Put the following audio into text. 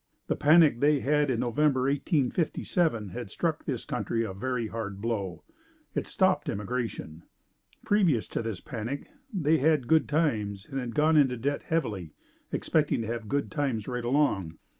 The panic they had in November 1857 had struck this country a very hard blow. It stopped immigration. Previous to this panic they had good times and had gone into debt heavily, expecting to have good times right along.